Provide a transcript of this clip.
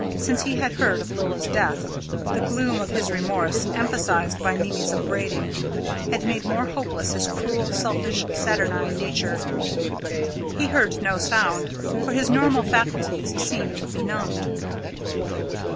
Since he had heard of Lilla's death, the gloom of his remorse, emphasised by Mimi's upbraiding, had made more hopeless his cruel, selfish, saturnine nature. He heard no sound, for his normal faculties seemed benumbed.